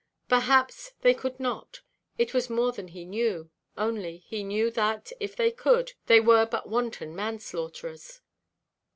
Perhaps they could not; it was more than he knew; only he knew that, if they could, they were but wanton man–slaughterers.